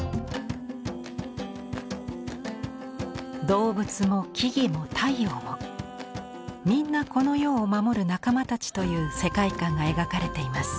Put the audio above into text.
動物も木々も太陽もみんなこの世を守る仲間たちという世界観が描かれています。